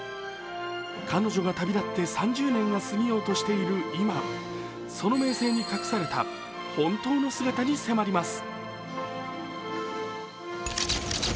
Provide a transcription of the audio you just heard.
彼女が旅立って３０年が過ぎようとしている今、その名声に隠された本当の姿に迫ります。